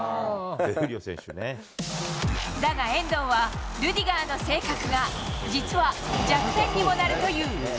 だが遠藤は、ルディガーの性格が実は弱点にもなるという。